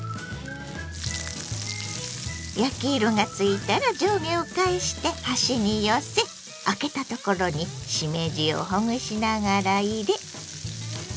焼き色がついたら上下を返して端に寄せあけたところにしめじをほぐしながら入れ。